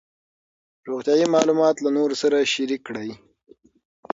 روغتیایي معلومات له نورو سره شریک کړئ.